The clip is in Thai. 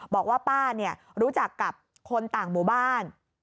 บอกว่าป้ารู้จักกับคนต่างหมู่บ้าน